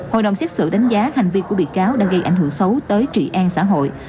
hội đồng xét xử đánh giá hành vi của bị cáo đã gây ảnh hưởng xấu tới trị an xã hội